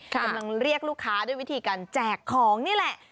กำลังเรียกลูกค้าด้วยวิธีการแจกของนี่แหละ